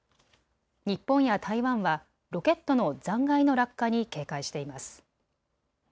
日本や台湾はロケットの残骸の落下に警戒しています。